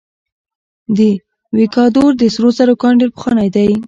د ویکادور د سرو زرو کان ډیر پخوانی دی.